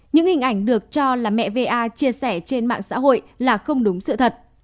những hình ảnh được cho là mẹ va chia sẻ trên mạng xã hội là không đúng sự thật